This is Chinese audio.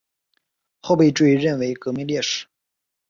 后被追认为革命烈士。